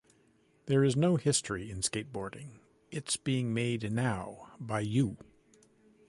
There is no history in Skateboarding-its being made now-by you.